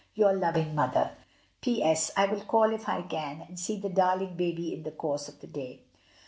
"Your loving Mother. "P.S. — I will call if I can, and see the darling baby in the course of the day.'